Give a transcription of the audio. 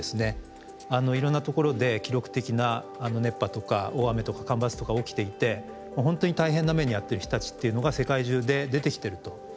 いろんな所で記録的な熱波とか大雨とか干ばつとか起きていて本当に大変な目に遭ってる人たちっていうのが世界中で出てきてると。